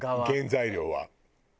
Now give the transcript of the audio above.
原材料は。